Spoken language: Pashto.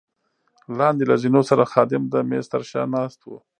لاندې له زینو سره خادم د مېز تر شا ناست وو.